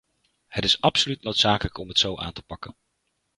Het is absoluut noodzakelijk om het zo aan te pakken.